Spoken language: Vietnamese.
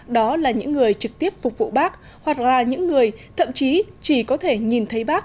đó là những người trực tiếp phục vụ bác hoặc là những người thậm chí chỉ có thể nhìn thấy bác